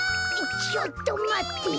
ちょっとまって。